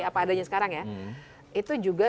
apa adanya sekarang ya itu juga